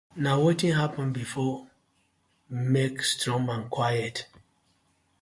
Na wetin happen before, make strong man quiet: